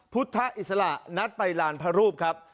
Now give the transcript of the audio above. พุทธอิสระนัดไปลานพระรูปครับ